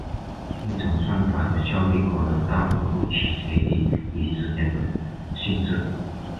一种算法的效率可能大幅度取决于已知点的性质。